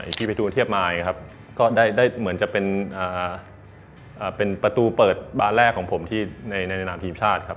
พี่พัฒนาดิพิทูลเทียบมาลไงครับก็จะเป็นประตูเปิดบานแรกของผมในขณะนามทีมชาติครับ